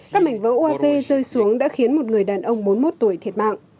các mảnh vỡ uav rơi xuống đã khiến một người đàn ông bốn mươi một tuổi thiệt mạng